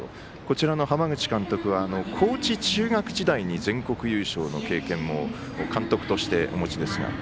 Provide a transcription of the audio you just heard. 浜口監督は高知中学時代に全国優勝の経験も監督としてお持ちですが。